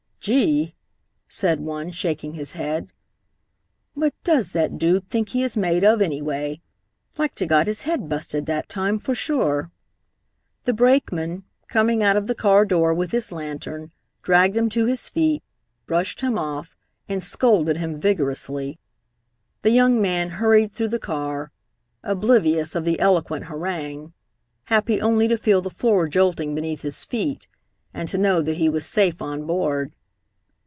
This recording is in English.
"Gee!" said one, shaking his head. "What does that dude think he is made of, any way? Like to got his head busted that time, fer sure." The brakeman, coming out of the car door with his lantern, dragged him to his feet, brushed him off, and scolded him vigorously. The young man hurried through the car, oblivious of the eloquent harangue, happy only to feel the floor jolting beneath his feet and to know that he was safe on board.